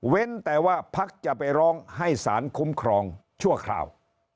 แต่ว่าพักจะไปร้องให้สารคุ้มครองชั่วคราว